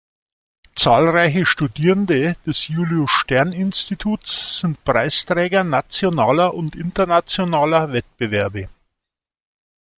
Zahlreiche Studierende des Julius-Stern-Instituts sind Preisträger nationaler und internationaler Wettbewerbe.